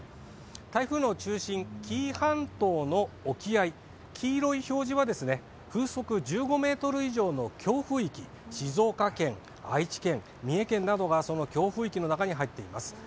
台風の中心、紀伊半島の沖合、黄色い表示は、風速１５メートル以上の強風域、静岡県、愛知県、三重県などがその強風域の中に入っています。